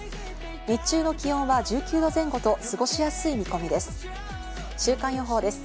日中の気温は１９度前後と過ごしやすい見込みです。